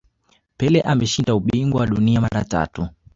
pele ameshinda ubingwa wa dunia mara tatu